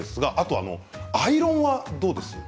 アイロンはどうですか？